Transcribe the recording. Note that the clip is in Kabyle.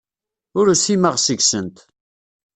Ur usimeɣ seg-sent.